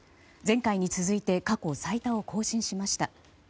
前回に続いて過去最多を更新しました。